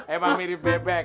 emang mirip bebek